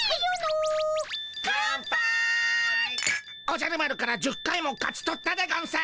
おじゃる丸から１０回も勝ち取ったでゴンス！